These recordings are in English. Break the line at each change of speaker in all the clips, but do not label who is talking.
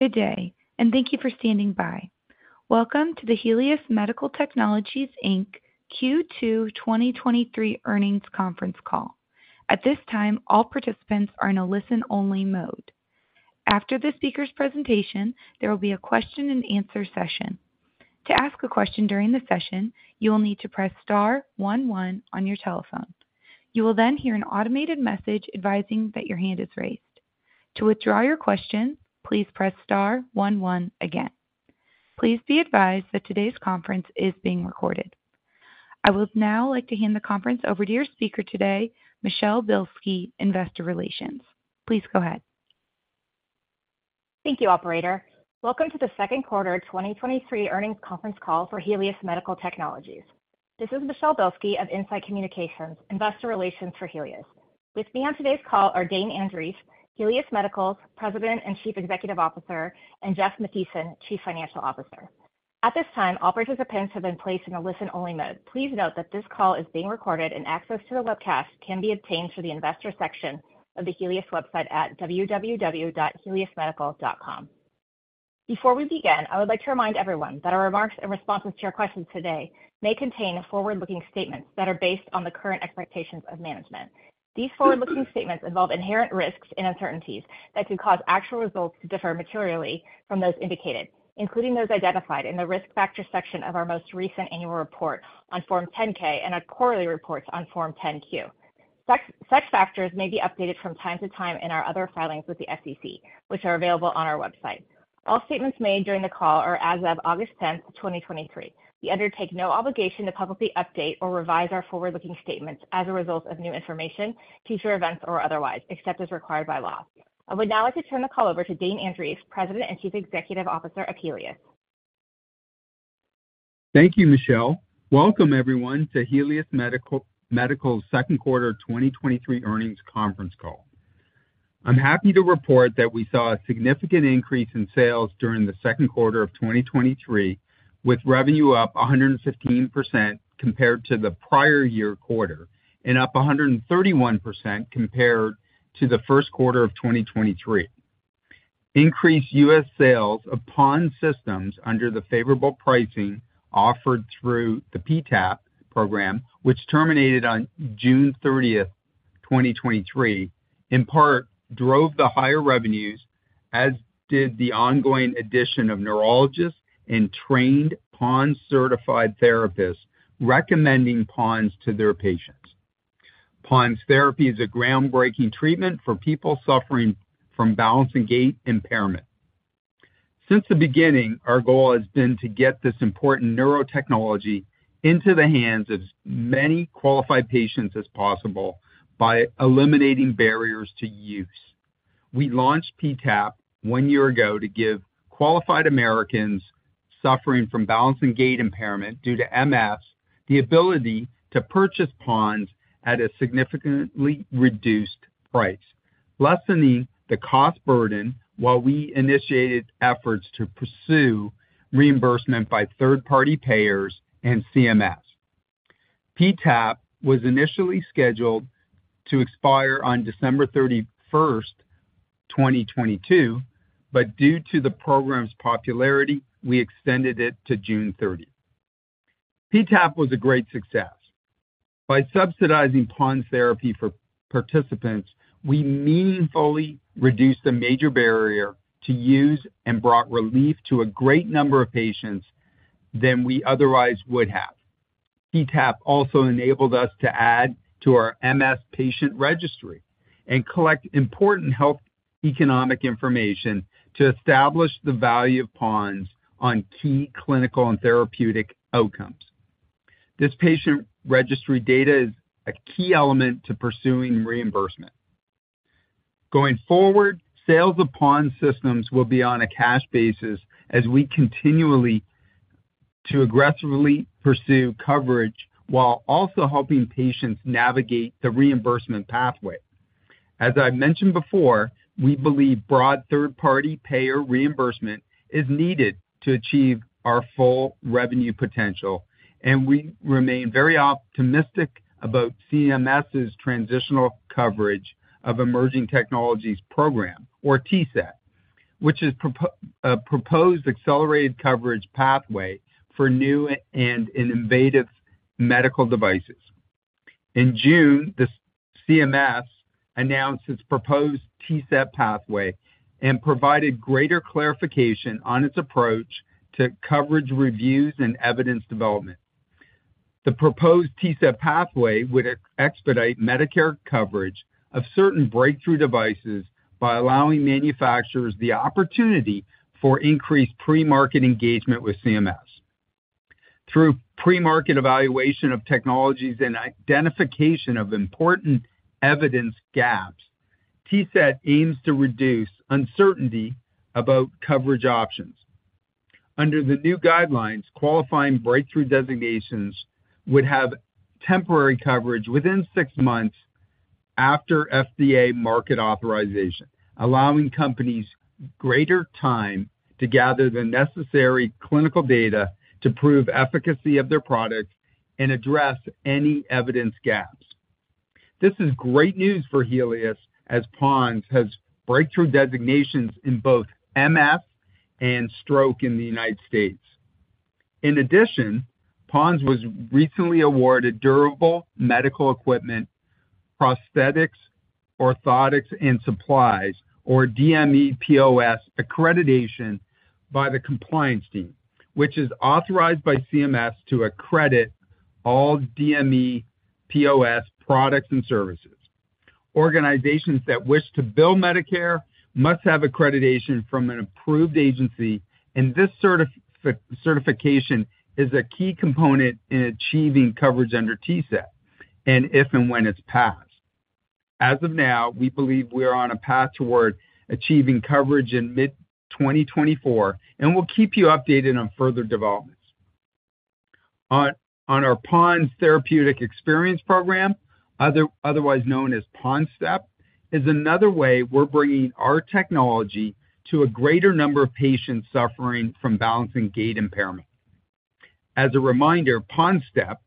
Good day, and thank you for standing by. Welcome to the Helius Medical Technologies Inc. Q2 2023 earnings conference call. At this time, all participants are in a listen-only mode. After the speaker's presentation, there will be a question-and-answer session. To ask a question during the session, you will need to press star one, one on your telephone. You will then hear an automated message advising that your hand is raised. To withdraw your question, please press star one, one again. Please be advised that today's conference is being recorded. I would now like to hand the conference over to your speaker today, Michelle Bilski, investor relations. Please go ahead.
Thank you, operator. Welcome to the second quarter, 2023 earnings conference call for Helius Medical Technologies. This is Michelle Bilski of In-Site Communications, investor relations Helius Medical Technologies. with me on today's call are Dane Andreeff, Helius Medical Technologies 's President and Chief Executive Officer, and Jeff Mathiesen, Chief Financial Officer. At this time, all participants have been placed in a listen-only mode. Please note that this call is being recorded, and access to the webcast can be obtained through the investor section of Helius Medical Technologies website at www.heliusmedical.com. Before we begin, I would like to remind everyone that our remarks and responses to your questions today may contain forward-looking statements that are based on the current expectations of management. These forward-looking statements involve inherent risks and uncertainties that could cause actual results to differ materially from those indicated, including those identified in the Risk Factors section of our most recent annual report on Form 10-K and our quarterly reports on Form 10-Q. Such factors may be updated from time to time in our other filings with the SEC, which are available on our website. All statements made during the call are as of August 10, 2023. We undertake no obligation to publicly update or revise our forward-looking statements as a result of new information, future events, or otherwise, except as required by law. I would now like to turn the call over to Dane Andreeff, President and Chief Executive Officer of Helius.
Thank you, Michelle. Welcome, everyone, to Helius Medical Technologies' second quarter 2023 earnings conference call. I'm happy to report that we saw a significant increase in sales during the second quarter of 2023, with revenue up 115% compared to the prior year quarter and up 131% compared to the first quarter of 2023. Increased U.S. sales of PoNS systems under the favorable pricing offered through the PTAP program, which terminated on June 30th, 2023, in part drove the higher revenues, as did the ongoing addition of neurologists and trained PoNS-certified therapists recommending PoNS to their patients. PoNS Therapy is a groundbreaking treatment for people suffering from balance and gait impairment. Since the beginning, our goal has been to get this important neurotechnology into the hands of as many qualified patients as possible by eliminating barriers to use. We launched PTAP one year ago to give qualified Americans suffering from balance and gait impairment due to MS, the ability to purchase PoNS at a significantly reduced price, lessening the cost burden while we initiated efforts to pursue reimbursement by third-party payers and CMS. Due to the program's popularity, PTAP was initially scheduled to expire on December 31st, 2022, but we extended it to June 30. PTAP was a great success. By subsidizing PoNS Therapy for participants, we meaningfully reduced a major barrier to use and brought relief to a great number of patients than we otherwise would have. PTAP also enabled us to add to our MS patient registry and collect important health economic information to establish the value of PoNS on key clinical and therapeutic outcomes. This patient registry data is a key element to pursuing reimbursement. Going forward, sales of PoNS systems will be on a cash basis as we continually to aggressively pursue coverage while also helping patients navigate the reimbursement pathway. As I've mentioned before, we believe broad third-party payer reimbursement is needed to achieve our full revenue potential, and we remain very optimistic about CMS's Transitional Coverage for Emerging Technologies program, or TCET, which is a proposed accelerated coverage pathway for new and innovative medical devices. In June, the CMS announced its proposed TCET pathway and provided greater clarification on its approach to coverage reviews and evidence development. The proposed TCET pathway would expedite Medicare coverage of certain breakthrough devices by allowing manufacturers the opportunity for increased pre-market engagement with CMS. Through pre-market evaluation of technologies and identification of important evidence gaps, TCET aims to reduce uncertainty about coverage options. Under the new guidelines, qualifying breakthrough designations would have temporary coverage within six months after FDA market authorization, allowing companies greater time to gather the necessary clinical data to prove efficacy of their products and address any evidence gaps. This is great news for Helius, as PoNS has breakthrough designations in both MS and stroke in the United States. In addition, PoNS was recently awarded Durable Medical Equipment, Prosthetics, Orthotics, and Supplies, or DMEPOS accreditation by the compliance team, which is authorized by CMS to accredit all DMEPOS products and services. Organizations that wish to bill Medicare must have accreditation from an approved agency, and this certification is a key component in achieving coverage under TCET, and if and when it's passed. As of now, we believe we are on a path toward achieving coverage in mid-2024, and we'll keep you updated on further developments. on our PoNS Therapeutic Experience Program, otherwise known as PoNS STEP, is another way we're bringing our technology to a greater number of patients suffering from balance and gait impairment. As a reminder, PoNS STEP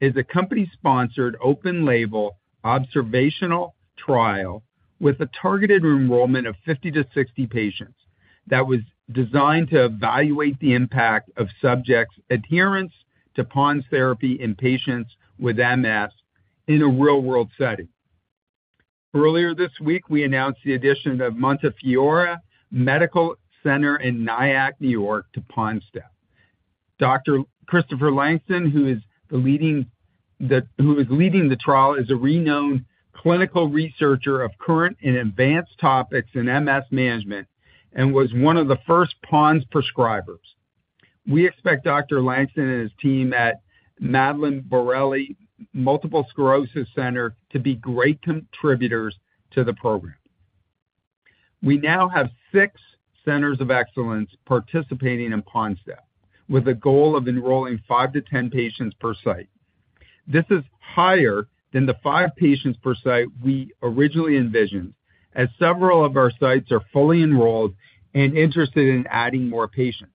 is a company-sponsored, open-label, observational trial with a targeted enrollment of 50 patients-60 patients, that was designed to evaluate the impact of subjects' adherence to PoNS Therapy in patients with MS in a real-world setting. Earlier this week, we announced the addition of Montefiore Nyack Hospital in Nyack, New York, to PoNS STEP. Dr. Christopher Langston, who is leading the trial, is a renowned clinical researcher of current and advanced topics in MS management and was one of the first PoNS prescribers. We expect Dr. Langston and his team at Madeline Borg-Breen Multiple Sclerosis Center to be great contributors to the program. We now have six centers of excellence participating in PoNS STEP, with a goal of enrolling five patients-10 patients per site. This is higher than the 5 patients per site we originally envisioned, as several of our sites are fully enrolled and interested in adding more patients.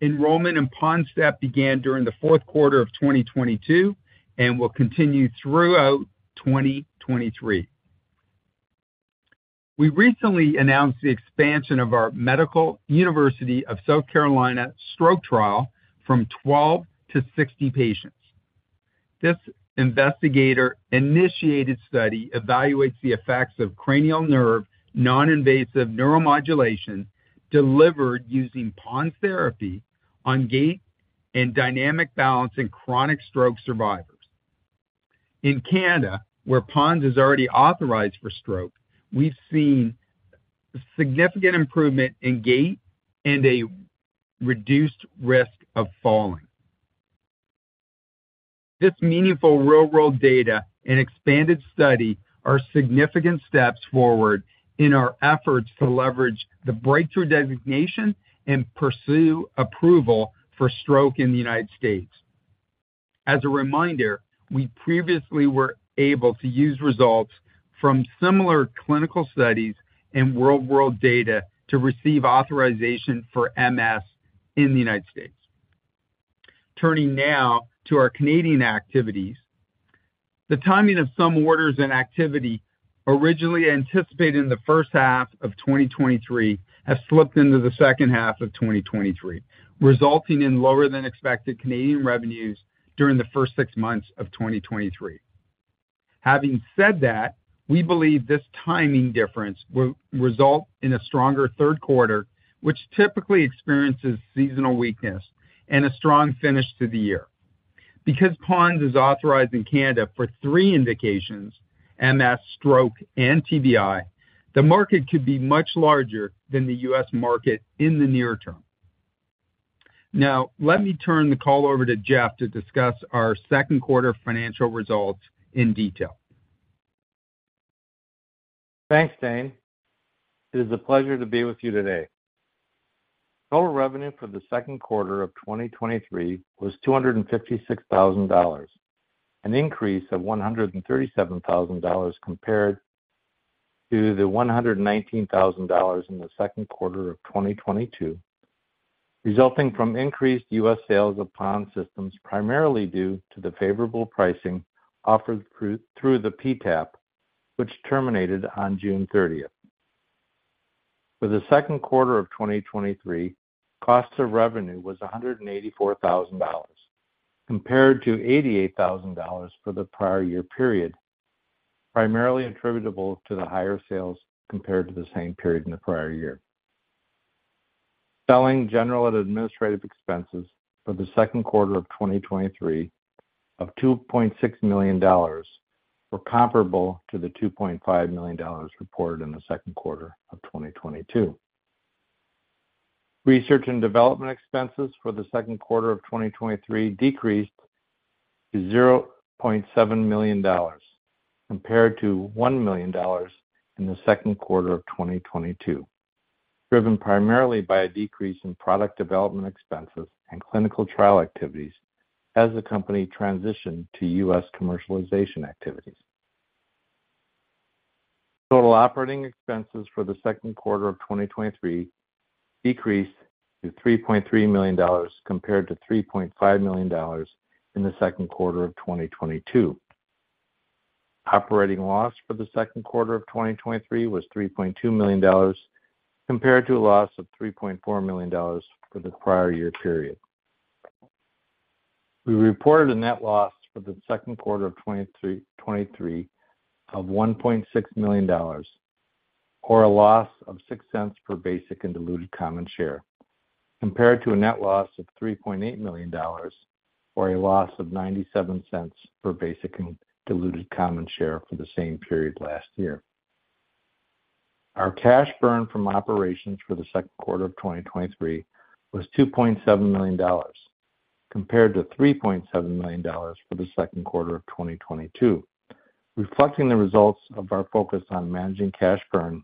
Enrollment in PoNS STEP began during the fourth quarter of 2022 and will continue throughout 2023. We recently announced the expansion of our Medical University of South Carolina stroke trial from 12 patients-60 patients. This investigator-initiated study evaluates the effects of cranial nerve non-invasive neuromodulation delivered using PoNS therapy on gait and dynamic balance in chronic stroke survivors. In Canada, where PoNS is already authorized for stroke, we've seen significant improvement in gait and a reduced risk of falling. This meaningful real-world data and expanded study are significant steps forward in our efforts to leverage the breakthrough designation and pursue approval for stroke in the United States. As a reminder, we previously were able to use results from similar clinical studies and real-world data to receive authorization for MS in the United States. Turning now to our Canadian activities, the timing of some orders and activity originally anticipated in the first half of 2023 has slipped into the second half of 2023, resulting in lower-than-expected Canadian revenues during the first six months of 2023. Having said that, we believe this timing difference will result in a stronger third quarter, which typically experiences seasonal weakness and a strong finish to the year. PoNS is authorized in Canada for three indications, MS, stroke, and TBI, the market could be much larger than the U.S. market in the near term. Now, let me turn the call over to Jeff to discuss our second quarter financial results in detail.
Thanks, Dane. It is a pleasure to be with you today. Total revenue for the second quarter of 2023 was $256,000, an increase of $137,000 compared to the $119,000 in the second quarter of 2022, resulting from increased U.S. sales of PoNS systems, primarily due to the favorable pricing offered through the PTAP, which terminated on June 30th. For the second quarter of 2023, cost of revenue was $184,000, compared to $88,000 for the prior year period, primarily attributable to the higher sales compared to the same period in the prior year. Selling, general, and administrative expenses for the second quarter of 2023 of $2.6 million were comparable to the $2.5 million reported in the second quarter of 2022. Research and development expenses for the second quarter of 2023 decreased to $0.7 million, compared to $1 million in the second quarter of 2022, driven primarily by a decrease in product development expenses and clinical trial activities as the company transitioned to U.S. commercialization activities. Total operating expenses for the second quarter of 2023 decreased to $3.3 million, compared to $3.5 million in the second quarter of 2022. Operating loss for the second quarter of 2023 was $3.2 million, compared to a loss of $3.4 million for the prior year period. We reported a net loss for the second quarter of 2023 of $1.6 million, or a loss of $0.06 per basic and diluted common share, compared to a net loss of $3.8 million, or a loss of $0.97 per basic and diluted common share for the same period last year. Our cash burn from operations for the second quarter of 2023 was $2.7 million, compared to $3.7 million for the second quarter of 2022, reflecting the results of our focus on managing cash burn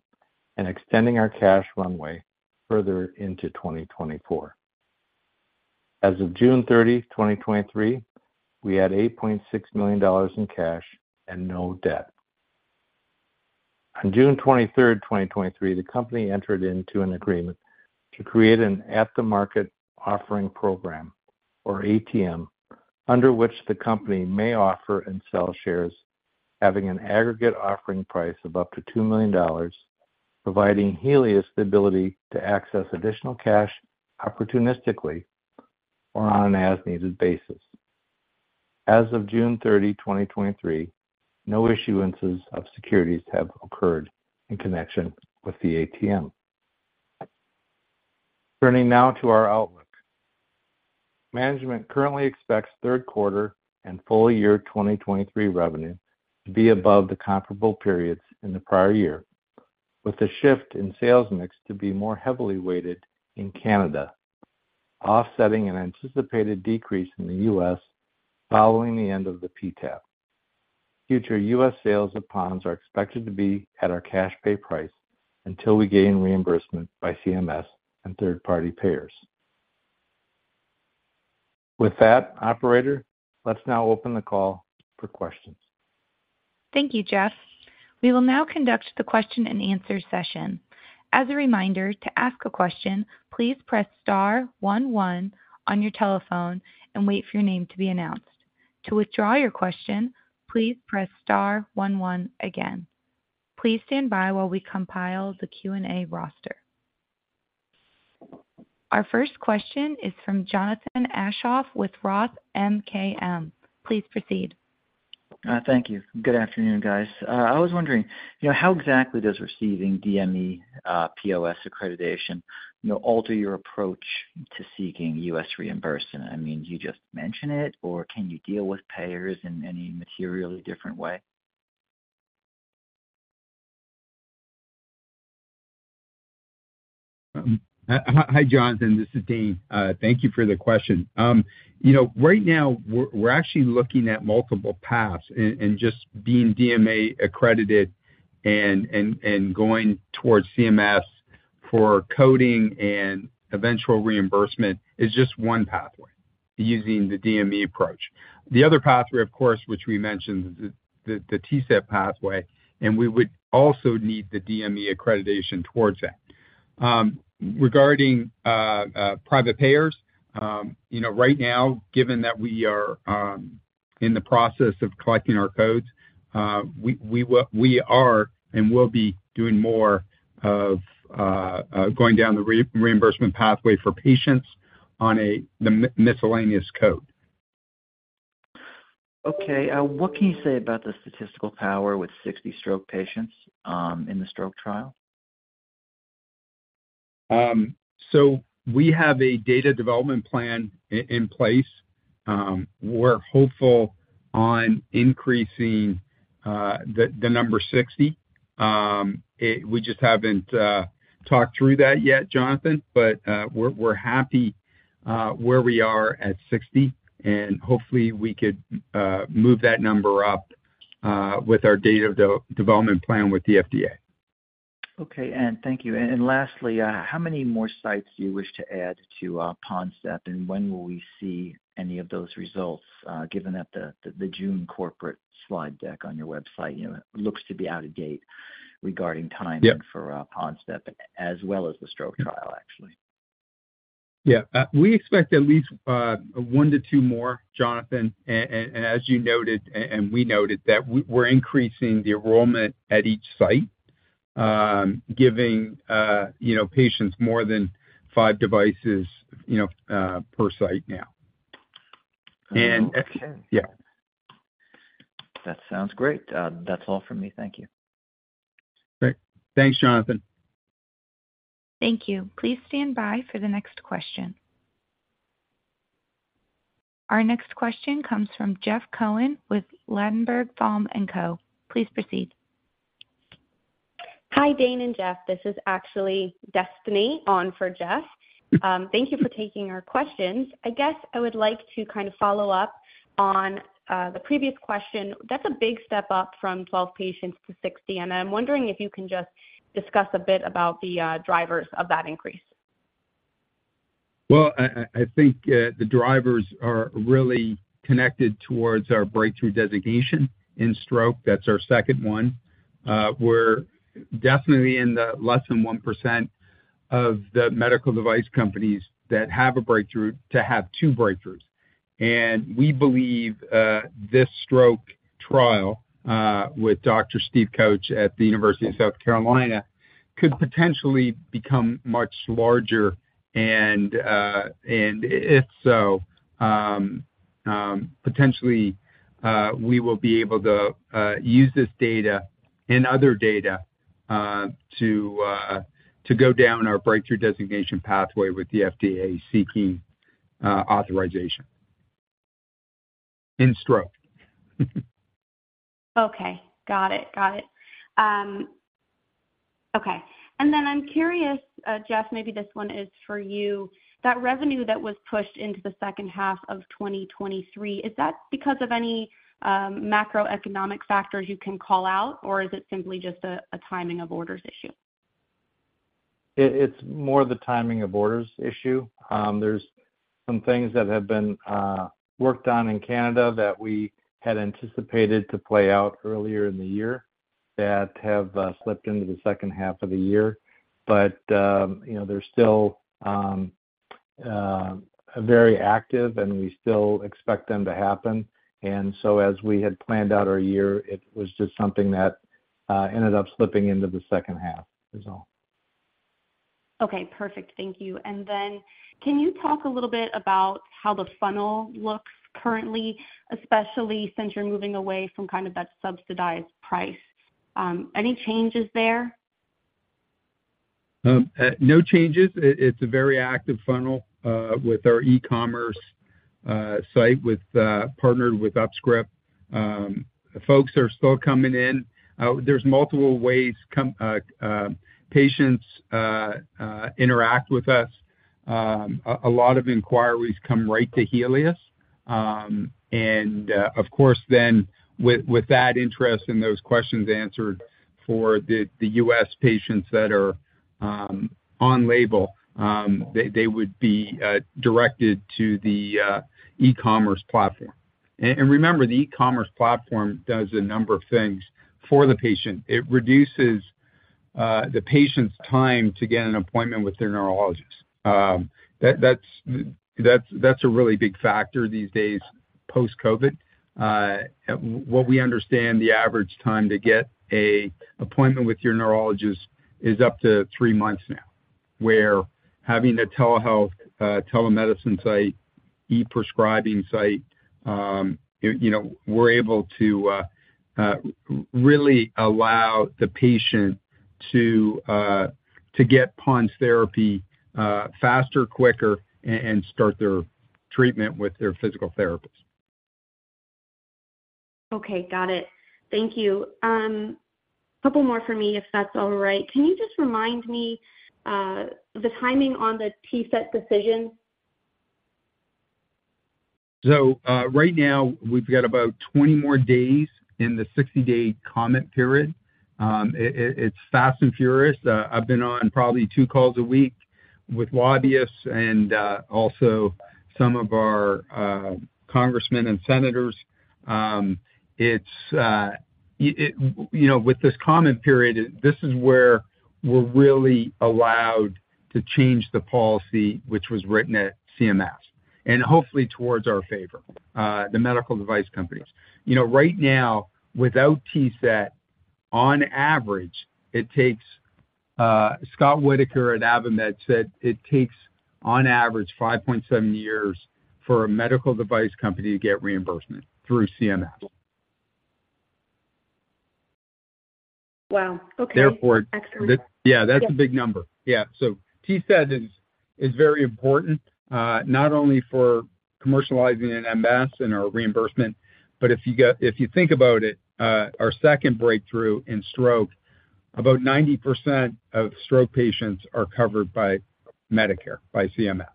and extending our cash runway further into 2024. As of June 30, 2023, we had $8.6 million in cash and no debt. On June 23rd, 2023, the company entered into an agreement to create an at-the-market offering program, or ATM, under which the company may offer and sell shares having an aggregate offering price of up to $2 million, providing Helius the ability to access additional cash opportunistically or on an as-needed basis. As of June 30, 2023, no issuances of securities have occurred in connection with the ATM. Turning now to our outlook. Management currently expects third quarter and full year 2023 revenue to be above the comparable periods in the prior year, with a shift in sales mix to be more heavily weighted in Canada, offsetting an anticipated decrease in the U.S. following the end of the PTAP. Future U.S. sales of PoNS are expected to be at our cash pay price until we gain reimbursement by CMS and third-party payers. With that, Operator, let's now open the call for questions.
Thank you, Jeff. We will now conduct the question-and-answer session. As a reminder, to ask a question, please press star one one on your telephone and wait for your name to be announced. To withdraw your question, please press star one one again. Please stand by while we compile the Q&A roster. Our first question is from Jonathan Aschoff with ROTH MKM. Please proceed.
Thank you. Good afternoon, guys. I was wondering, you know, how exactly does receiving DME, POS accreditation, you know, alter your approach to seeking US reimbursement? I mean, do you just mention it, or can you deal with payers in any materially different way?
Hi, hi, Jonathan, this is Dane. Thank you for the question. You know, right now we're actually looking at multiple paths, and just being DME accredited and going towards CMS for coding and eventual reimbursement is just one pathway, using the DME approach. The other pathway, of course, which we mentioned, the TCET pathway, and we would also need the DME accreditation towards that. Regarding private payers, you know, right now, given that we are in the process of collecting our codes, we are and will be doing more of going down the reimbursement pathway for patients on a the miscellaneous code.
Okay, what can you say about the statistical power with 60 stroke patients, in the stroke trial?
We have a data development plan in place. We're hopeful on increasing the number 60. We just haven't talked through that yet, Jonathan. We're happy where we are at 60, and hopefully we could move that number up with our data development plan with the FDA.
Okay, thank you. Lastly, how many more sites do you wish to add to PoNS STEP, and when will we see any of those results, given that the, the June corporate slide deck on your website, you know, looks to be out of date regarding timing...
Yeah
for PoNS STEP, as well as the stroke trial, actually?
Yeah. We expect at least one to two more, Jonathan. And, and as you noted, and, and we noted, that we're increasing the enrollment at each site, giving, you know, patients more than five devices, you know, per site now.
Okay.
Yeah.
That sounds great. That's all from me. Thank you.
Great. Thanks, Jonathan.
Thank you. Please stand by for the next question. Our next question comes from Jeff Cohen with Ladenburg Thalmann & Co. Please proceed.
Hi, Dane and Jeff. This is actually Destiny on for Jeff. Thank you for taking our questions. I guess I would like to kind of follow up on the previous question. That's a big step up from 12 patients to 60, and I'm wondering if you can just discuss a bit about the drivers of that increase.
Well, I, I, I think the drivers are really connected towards our breakthrough designation in stroke. That's our second one. We're definitely in the less than 1% of the medical device companies that have a breakthrough to have two breakthroughs. We believe this stroke trial with Dr. Steve Kautz at the University of South Carolina could potentially become much larger. And if so, potentially, we will be able to use this data and other data to go down our breakthrough designation pathway with the FDA seeking authorization in stroke.
Okay. Got it. Got it. Okay. Then I'm curious, Jeff, maybe this one is for you. That revenue that was pushed into the second half of 2023, is that because of any macroeconomic factors you can call out, or is it simply just a, a timing of orders issue?
It's more the timing of orders issue. There's some things that have been worked on in Canada that we had anticipated to play out earlier in the year that have slipped into the second half of the year. You know, they're still very active, and we still expect them to happen. As we had planned out our year, it was just something that ended up slipping into the second half is all.
Okay, perfect. Thank you. Then, can you talk a little bit about how the funnel looks currently, especially since you're moving away from kind of that subsidized price? Any changes there?
No changes. It's a very active funnel with our e-commerce site, partnered with UpScript. Folks are still coming in. There's multiple ways patients interact with us. A lot of inquiries come right to Helius. Of course, then with that interest and those questions answered for the U.S. patients that are on label, they would be directed to the e-commerce platform. Remember, the e-commerce platform does a number of things for the patient. It reduces the patient's time to get an appointment with their neurologist. That's, that's, that's a really big factor these days, post-COVID. What we understand, the average time to get a appointment with your neurologist is up to three months now, where having a telehealth, telemedicine site, e-prescribing site, you, you know, we're able to really allow the patient to get PoNS Therapy faster, quicker, and start their treatment with their physical therapist.
Okay, got it. Thank you. A couple more for me, if that's all right. Can you just remind me, the timing on the TCET decision?
Right now, we've got about 20 more days in the 60-day comment period. It's fast and furious. I've been on probably two calls a week with lobbyists and also some of our congressmen and senators. It's, you know, with this comment period, this is where we're really allowed to change the policy, which was written at CMS, and hopefully towards our favor, the medical device companies. You know, right now, without TCET, on average, it takes, Scott Whitaker at AdvaMed said it takes, on average, 5.7 years for a medical device company to get reimbursement through CMS.
Wow! Okay.
Therefore-
Excellent.
Yeah, that's a big number.
Yeah.
TCET is very important, not only for commercializing in MS and our reimbursement, but if you think about it, our second breakthrough in stroke, about 90% of stroke patients are covered by Medicare, by CMS.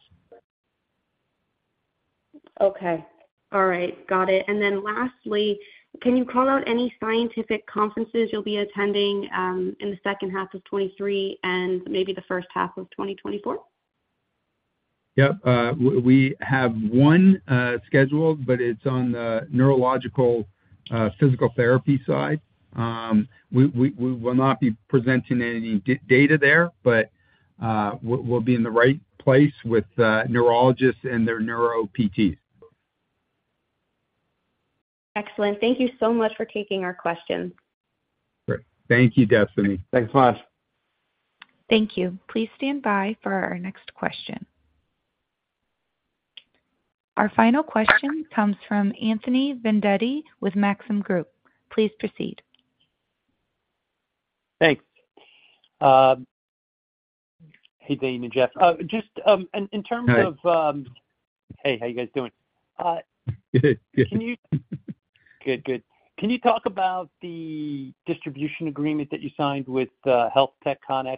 Okay. All right, got it. Then lastly, can you call out any scientific conferences you'll be attending, in the second half of 2023 and maybe the first half of 2024?
Yep. We, we have one scheduled, but it's on the neurological physical therapy side. We, we, we will not be presenting any data there, but we'll be in the right place with neurologists and their neuro PTs.
Excellent. Thank you so much for taking our questions.
Great. Thank you, Destiny.
Thanks a lot.
Thank you. Please stand by for our next question. Our final question comes from Anthony Vendetti with Maxim Group. Please proceed.
Thanks. hey, Dana and Jeff. just, in, in terms of.
Hi.
Hey, how you guys doing?
Good.
Good, good. Can you talk about the distribution agreement that you signed with HealthTech Connex?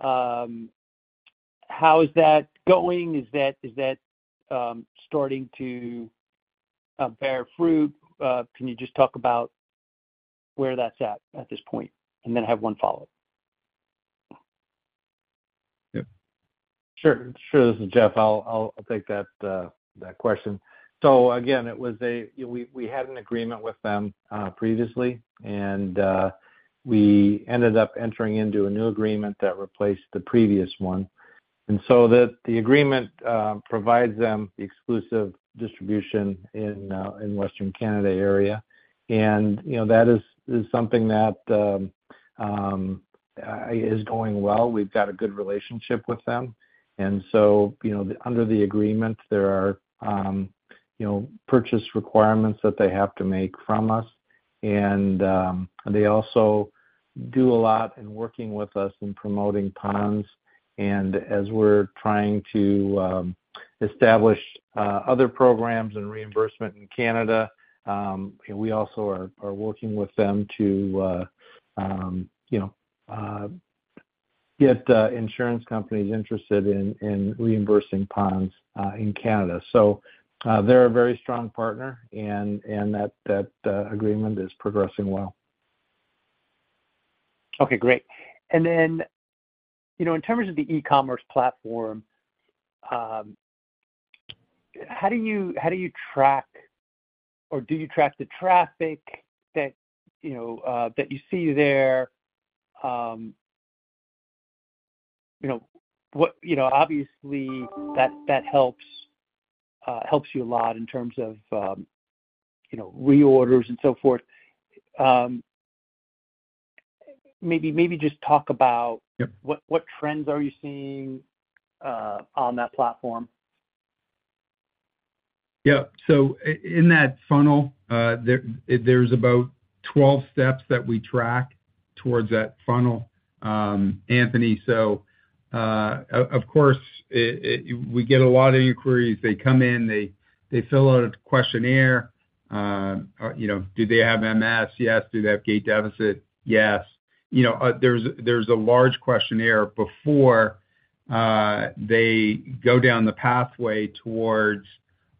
How is that going? Is that, is that starting to bear fruit? Can you just talk about that... where that's at, at this point? I have one follow-up.
Yep. Sure, sure. This is Jeff. I'll, I'll, I'll take that question. Again, it was a, you know, we, we had an agreement with them previously, and we ended up entering into a new agreement that replaced the previous one. The, the agreement provides them the exclusive distribution in Western Canada area. You know, that is, is something that is going well. We've got a good relationship with them. You know, under the agreement, there are, you know, purchase requirements that they have to make from us, and they also do a lot in working with us in promoting PoNS. As we're trying to establish other programs and reimbursement in Canada, we also are working with them to, you know, get insurance companies interested in reimbursing PoNS in Canada. They're a very strong partner, and that agreement is progressing well.
Okay, great. Then, you know, in terms of the e-commerce platform, how do you, how do you track, or do you track the traffic that, you know, that you see there? You know, obviously, that, that helps, helps you a lot in terms of, you know, reorders and so forth. Maybe, maybe just talk about-
Yep.
What, what trends are you seeing on that platform?
Yeah. In that funnel, there, there's about 12 steps that we track towards that funnel, Anthony. Of course, we get a lot of inquiries. They come in, they, they fill out a questionnaire. You know, do they have MS? Yes. Do they have gait deficit? Yes. You know, there's, there's a large questionnaire before they go down the pathway towards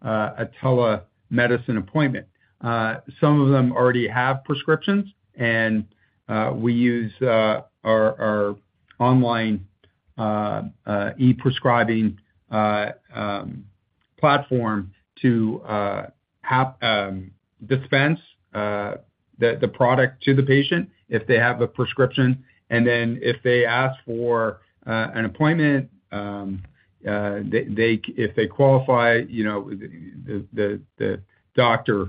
a telemedicine appointment. Some of them already have prescriptions, and we use our, our online e-prescribing platform to have dispense the, the product to the patient if they have a prescription. Then if they ask for an appointment, if they qualify, you know, the, the, the doctor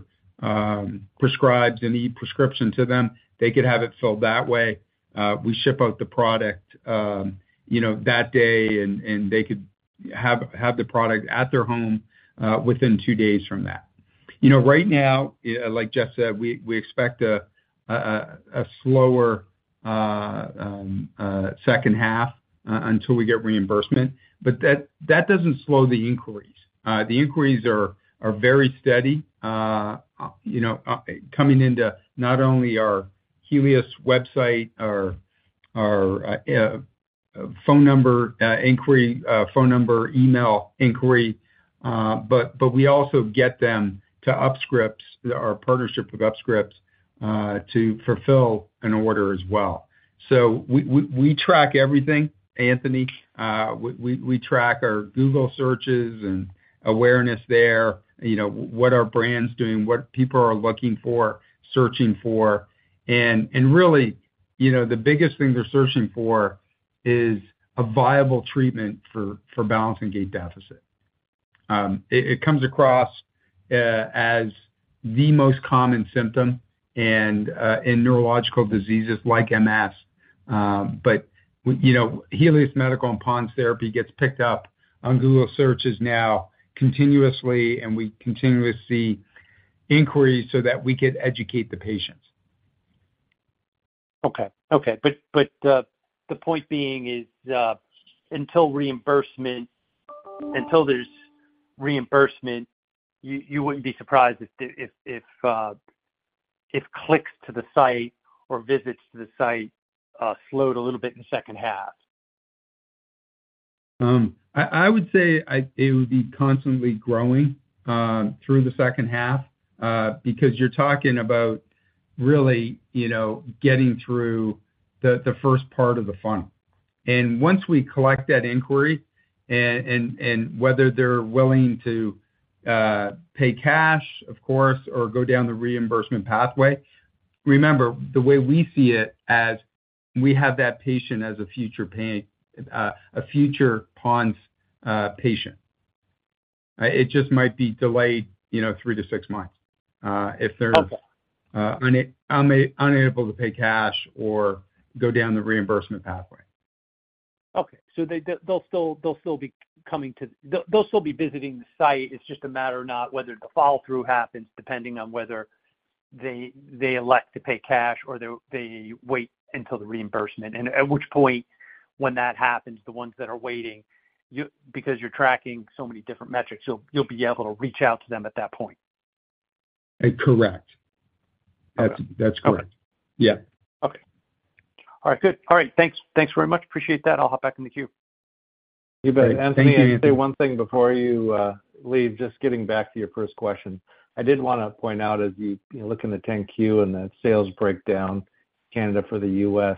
prescribes an e-prescription to them, they could have it filled that way. We ship out the product, you know, that day, and, and they could have, have the product at their home, within two days from that. You know, right now, like Jeff said, we, we expect a, a, a slower, second half, until we get reimbursement, but that, that doesn't slow the inquiries. The inquiries are, are very steady, you know, coming into not only our Helius website, our, our phone number, inquiry, phone number, email inquiry, but, but we also get them to UpScript, our partnership with UpScript, to fulfill an order as well. We, we, we track everything, Anthony. We, we, we track our Google searches and awareness there, you know, what our brand's doing, what people are looking for, searching for. Really, you know, the biggest thing they're searching for is a viable treatment for, for balancing gait deficit. It, it comes across as the most common symptom and in neurological diseases like MS, but, you know, Helius Medical and PoNS Therapy gets picked up on Google searches now continuously, and we continuously see inquiries so that we could educate the patients.
Okay. Okay, but, the point being is, until reimbursement, until there's reimbursement, you, you wouldn't be surprised if if clicks to the site or visits to the site, slowed a little bit in the second half?
I, I would say, it would be constantly growing through the second half, because you're talking about really, you know, getting through the first part of the funnel. Once we collect that inquiry and whether they're willing to pay cash, of course, or go down the reimbursement pathway. Remember, the way we see it, as we have that patient as a future pay, a future PoNS patient. It just might be delayed, you know, three months-six months, if they're-
Okay.
unable to pay cash or go down the reimbursement pathway.
Okay. They'll still be visiting the site. It's just a matter of not whether the follow-through happens, depending on whether they elect to pay cash or they wait until the reimbursement. At which point, when that happens, the ones that are waiting, because you're tracking so many different metrics, you'll be able to reach out to them at that point.
Correct.
Okay.
That's, that's correct.
Okay.
Yeah.
Okay. All right, good. All right, thanks. Thanks very much. Appreciate that. I'll hop back in the queue.
You bet, Anthony. I'll say one thing before you leave, just getting back to your first question. I did wanna point out as you, you look in the 10-Q and the sales breakdown, Canada for the U.S.,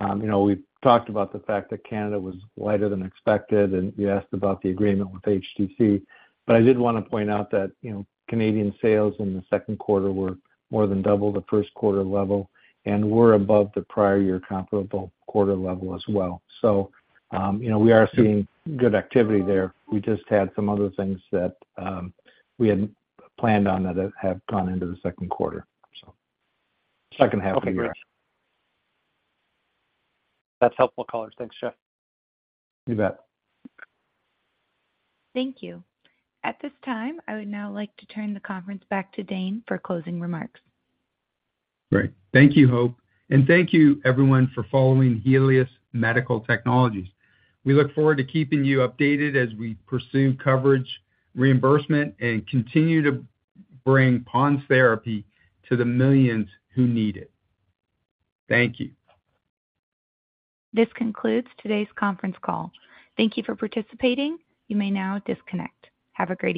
you know, we've talked about the fact that Canada was lighter than expected, and you asked about the agreement with HTC. I did wanna point out that, you know, Canadian sales in the second quarter were more than double the first quarter level and were above the prior year comparable quarter level as well. You know, we are seeing good activity there. We just had some other things that we had planned on that have gone into the second quarter. Second half of the year.
That's helpful colors. Thanks, Jeff.
You bet.
Thank you. At this time, I would now like to turn the conference back to Dane for closing remarks.
Great. Thank you, Hope, and thank you everyone for following Helius Medical Technologies. We look forward to keeping you updated as we pursue coverage, reimbursement, and continue to bring PoNS Therapy to the millions who need it. Thank you.
This concludes today's conference call. Thank you for participating. You may now disconnect. Have a great day.